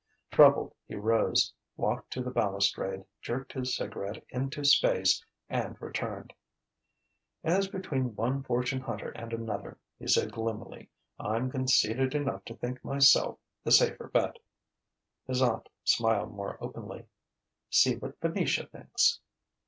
Troubled, he rose, walked to the balustrade, jerked his cigarette into space, and returned. "As between one fortune hunter and another," he said gloomily, "I'm conceited enough to think myself the safer bet." His aunt smiled more openly: "See what Venetia thinks."